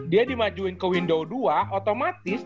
dia di majuin ke window dua otomatis